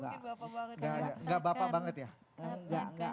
kayaknya enggak mungkin bapak banget yang ngasahkan